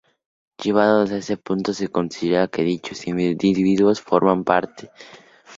Llegados a ese punto se considera que dichos individuos forman una nueva especie.